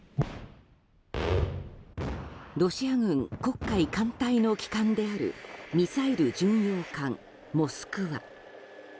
ロシア軍黒海艦隊の旗艦であるミサイル巡洋艦「モスクワ」。